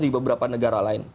di beberapa negara lain